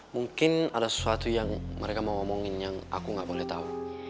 mungkin ada sesuatu yang mereka mau ngomongin yang aku nggak boleh tahu